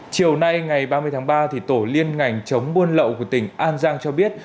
chiều nay ngày ba mươi tháng ba tổ liên ngành chống buôn lậu của tỉnh an giang cho biết